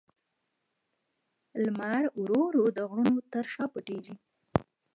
لمر ورو ورو د غرونو تر شا پټېږي.